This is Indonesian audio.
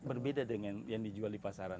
berbeda dengan yang dijual di pasaran